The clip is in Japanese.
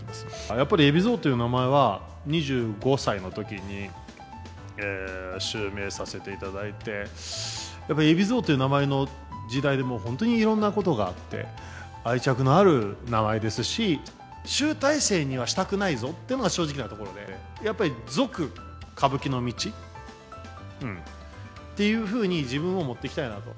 やっぱり海老蔵という名前は、２５歳のときに襲名させていただいて、やっぱり海老蔵という名前の時代で本当にいろんなことがあって、愛着のある名前ですし、集大成にはしたくないぞっていうのが正直なところで、やっぱり続・歌舞伎の道っていうふうに、自分を持っていきたいなと。